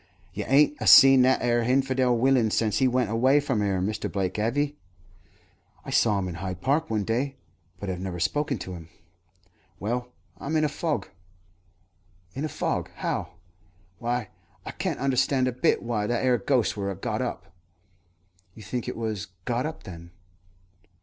"You ain't a seen that 'ere hinfidel willain since he went away from 'ere, Mr. Blake, have 'ee?" "I saw him in Hyde Park one day, but have never spoken to him." "Well, I'm in a fog." "In a fog! How?" "Why, I can't understand a bit why that 'ere ghost wur a got up." "You think it was got up, then?"